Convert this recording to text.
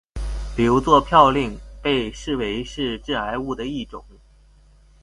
硫唑嘌呤被视为是致癌物的一种。